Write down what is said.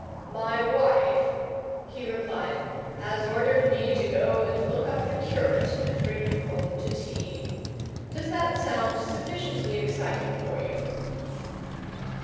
"My wife," he replied, "has ordered me to go and look up the curate and bring him home to tea. Does that sound sufficiently exciting for you?"